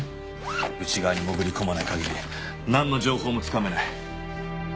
内側に潜り込まない限りなんの情報もつかめない。